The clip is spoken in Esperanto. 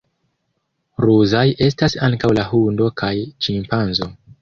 Ruzaj estas ankaŭ la hundo kaj ĉimpanzo.